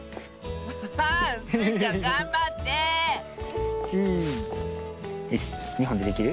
アハハースイちゃんがんばってよし２ほんでできる？